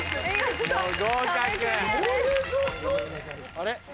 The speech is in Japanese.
あれ？